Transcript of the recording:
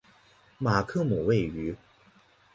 马克姆位于。